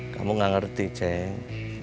kamu gak ngerti ceng